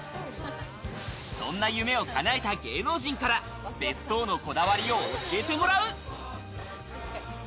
そんな夢をかなえた芸能人から別荘のこだわりを教えてもらう。